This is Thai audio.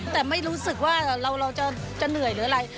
แต่ไม่รู้สึกว่าเราจะเหนื่อยหรืออะไร